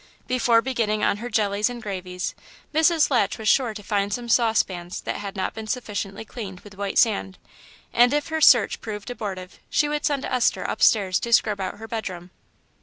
Before beginning on her jellies and gravies Mrs. Latch was sure to find some saucepans that had not been sufficiently cleaned with white sand, and, if her search proved abortive, she would send Esther upstairs to scrub out her bedroom.